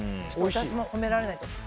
私も褒められないと。